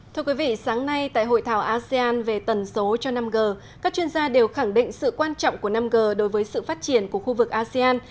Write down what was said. thưa quý vị sáng nay tại hội thảo asean về tần số cho năm g các chuyên gia đều khẳng định sự quan trọng của năm g đối với sự phát triển của khu vực asean